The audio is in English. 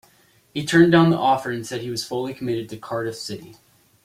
He turned down the offer and said he was fully committed to Cardiff City.